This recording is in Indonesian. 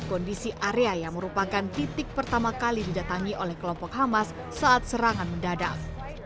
kondisi area yang merupakan titik pertama kali didatangi oleh kelompok hamas saat serangan mendadak